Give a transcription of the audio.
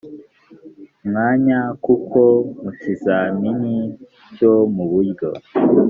mwanya kuko mu kizamini cyo mu buryo